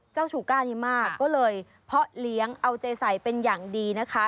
เจ้าชูก้านี้มากก็เลยเพาะเลี้ยงเอาใจใส่เป็นอย่างดีนะคะ